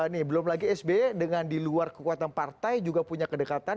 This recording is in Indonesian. nih belum lagi sby dengan di luar kekuatan partai juga punya kedekatan